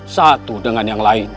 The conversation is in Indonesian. satu dengan yang lainnya